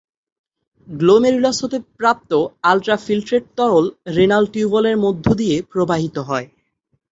Glomerulus হতে প্রাপ্ত আলট্রফিলট্রেট তরল রেনাল টিউব্যুলের মধ্য দিয়ে প্রবাহিত হয়।